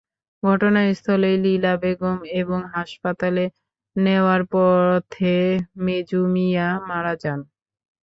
ঘটনাস্থলেই লীলা বেগম এবং হাসপাতালে নেওয়ার পথে মেজু মিয়া মারা যান।